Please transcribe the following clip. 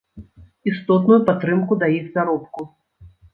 Істотную падтрымку да іх заробку.